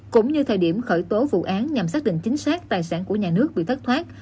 cũng như thời điểm khởi tố vụ án nhằm xác định chính xác tài sản của nhà nước bị thất thoát